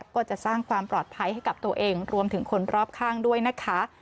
ก็จะสร้างความปลอดภัยให้กับตัวเองรวมถึงคนรอบข้างด้วยนะคะ